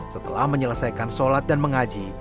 setelah menyelesaikan sholat dan mengaji